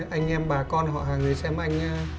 anh em bà con họ hàng người xem anh